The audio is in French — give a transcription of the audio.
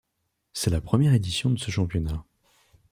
C'est la première édition de ce championnat.